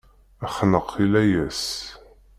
Xneq i layas.